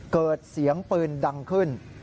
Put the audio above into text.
เกิดเสียงปืนดังขึ้น